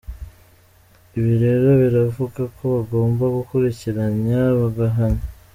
Ibi rero biravuga ko bagomba gukurikiranya bagahanywa.